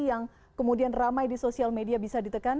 yang kemudian ramai di sosial media bisa ditekan